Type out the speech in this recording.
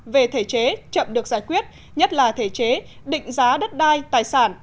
về thể chế chậm được giải quyết nhất là thể chế định giá đất đai tài sản